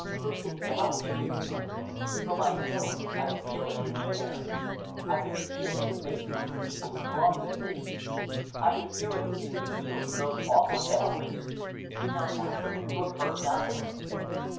"Who can doubt?" she exclaimed. "For myself, I feel it in the air! I can see it in the faces of the people who throng the city! I can hear it in the peals of those awful bells! You know nothing? You have heard nothing?"